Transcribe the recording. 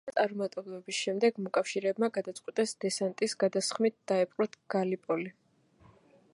ზღვაზე წარუმატებლობის შემდეგ მოკავშირეებმა გადაწყვიტეს დესანტის გადასხმით დაეპყროთ გალიპოლი.